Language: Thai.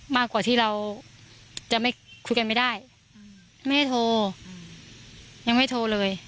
มากกว่าที่เราจะไม่คุยกันไม่ได้ไม่ให้โทรยังไม่โทรเลย